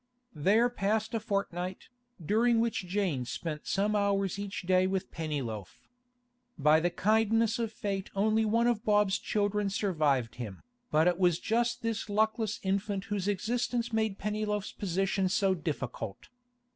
There passed a fortnight, during which Jane spent some hours each day with Pennyloaf. By the kindness of fate only one of Bob's children survived him, but it was just this luckless infant whose existence made Pennyloaf's position so difficult.